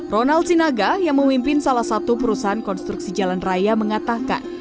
ronald sinaga yang memimpin salah satu perusahaan konstruksi jalan raya mengatakan